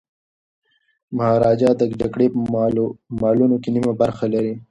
مهاراجا د جګړې په مالونو کي نیمه برخه لري.